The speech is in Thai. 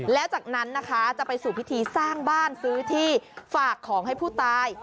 แล้วจากนั้นนะคะจะไปสู่พิธีสร้างบ้านซื้อที่ฝากของให้ผู้ตาย